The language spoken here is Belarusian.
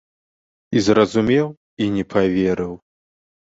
І зразумеў і не паверыў.